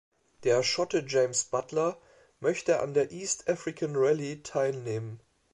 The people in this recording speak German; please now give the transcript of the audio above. Der Schotte James Butler möchte an der "East African Rallye" teilnehmen.